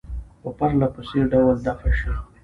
په پرله پسې ډول دفع شي.